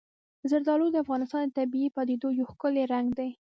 زردالو د افغانستان د طبیعي پدیدو یو ښکلی رنګ دی.